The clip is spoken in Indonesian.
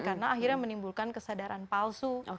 karena akhirnya menimbulkan kesadaran palsu